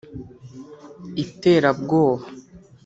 iterabwoba